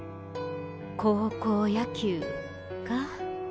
高校野球か。